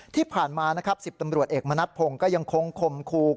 ที่ผ่านมานะครับ๑๐ตำรวจเอกมณัฐพงศ์ก็ยังคงคมครู